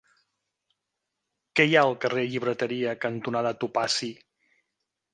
Què hi ha al carrer Llibreteria cantonada Topazi?